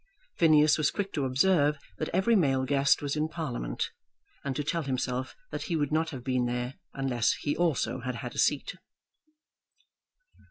Phineas was quick to observe that every male guest was in Parliament, and to tell himself that he would not have been there unless he also had had a seat.